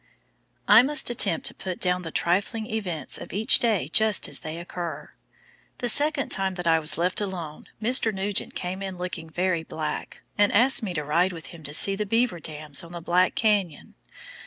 I must attempt to put down the trifling events of each day just as they occur. The second time that I was left alone Mr. Nugent came in looking very black, and asked me to ride with him to see the beaver dams on the Black Canyon.